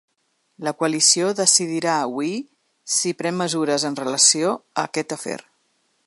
La coalició decidirà hui si pren mesures en relació a aquest afer.